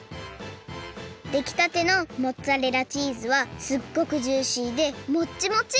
できたてのモッツァレラチーズはすっごくジューシーでモッチモチ！